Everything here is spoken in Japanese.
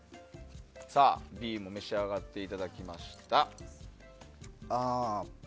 Ｂも召し上がっていただきました。